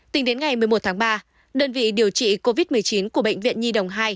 tính đến ngày một mươi một tháng ba đơn vị điều trị covid một mươi chín của bệnh viện nhi đồng hai